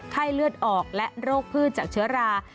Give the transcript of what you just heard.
ไข้เลือดออกและโรคพืชจากเชื้อรา